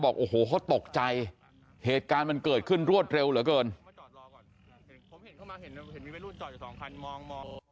ผมเห็นเข้ามาเห็นมีแว่นรุ่นจอดอยู่สองคันมองมอง